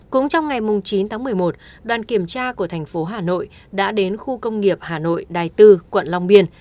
cũng trong ngày chín tháng một mươi một đoàn kiểm tra của thành phố hà nội đã đến khu công nghiệp hà nội đài tư quận long biên